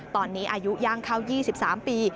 ตอนนี้อายุย่างเข้า๒๓ปี